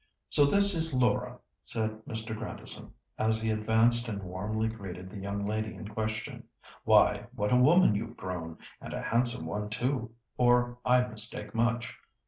"So this is Laura," said Mr. Grandison, as he advanced and warmly greeted the young lady in question. "Why, what a woman you've grown, and a handsome one, too, or I mistake much.